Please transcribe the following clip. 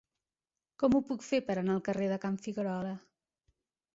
Com ho puc fer per anar al carrer de Can Figuerola?